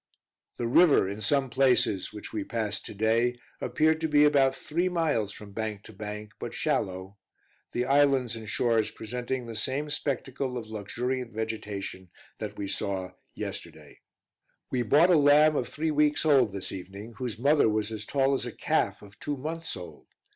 The river, in some places which we passed to day, appeared to be about three miles from bank to bank, but shallow; the islands and shores presenting the same spectacle of luxuriant vegetation that we saw yesterday. We bought a lamb of three weeks old, this evening, whose mother was as tall as a calf of two months old.